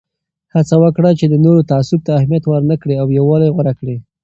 هڅه وکړه چې د نورو تعصب ته اهمیت ورنه کړې او یووالی غوره کړه.